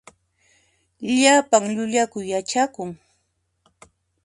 Llapan llullakuy yachakun.